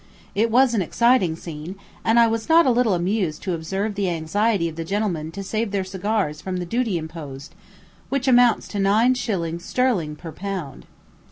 It was an exciting scene, and I was not a little amused to observe the anxiety of the gentlemen to save their cigars from the duty imposed, and which amounts to nine shillings sterling per pound.